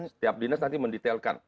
setiap dinas nanti mendetailkan